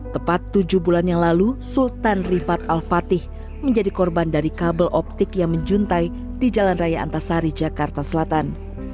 tepat tujuh bulan yang lalu sultan rifat al fatih menjadi korban dari kabel optik yang menjuntai di jalan raya antasari jakarta selatan